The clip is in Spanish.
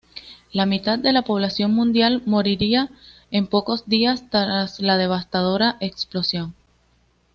La mitad de la población mundial moriría en pocos días tras la devastadora explosión.